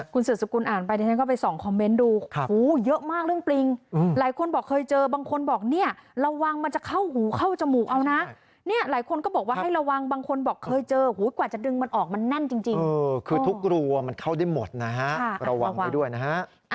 คุณสืบสกุลอ่านไปดิฉันก็ไปส่องคอมเมนต์ดูเยอะมากเรื่องปริงหลายคนบอกเคยเจอบางคนบอกเนี่ยระวังมันจะเข้าหูเข้าจมูกเอานะเนี่ยหลายคนก็บอกว่าให้ระวังบางคนบอกเคยเจอกว่าจะดึงมันออกมันแน่นจริงคือทุกรัวมันเข้าได้หมดนะฮะระวังไว้ด้วยนะฮะ